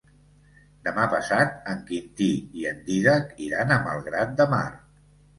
Demà passat en Quintí i en Dídac iran a Malgrat de Mar.